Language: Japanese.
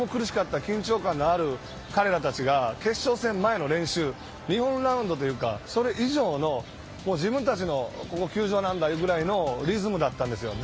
それで何かすごく重苦しかった緊張感がある彼らたちが決勝戦前の練習日本ラウンドというかそれ以上の自分たちの球場なんだくらいのリズムだったんですよ。